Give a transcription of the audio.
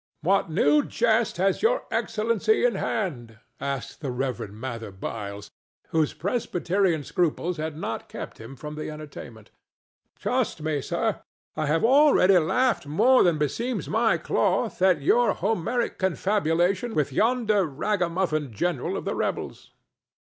"What new jest has Your Excellency in hand?" asked the Reverend Mather Byles, whose Presbyterian scruples had not kept him from the entertainment. "Trust me, sir, I have already laughed more than beseems my cloth at your Homeric confabulation with yonder ragamuffin general of the rebels.